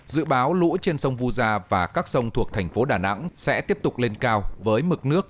dự báo lũ trên sông vu gia và các sông thuộc thành phố đà nẵng sẽ tiếp tục lên cao với mực nước